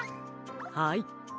はい。